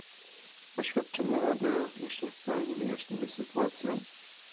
Oświadczenia Rady również nie w pełni wyjaśniły sytuację